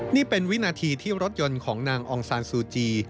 นี่เป็นวินาทีที่รถยนต์ของนางองซานซูจี